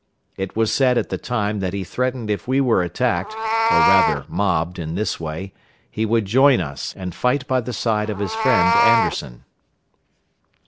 It was said at the time that he threatened if we were attacked, or rather mobbed, in this way, he would join us, and fight by the side of his friend Anderson.